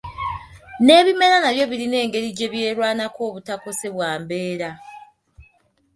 N'ebimera nabyo biyina engeri gye byerwanako obutakosebwa mbeera.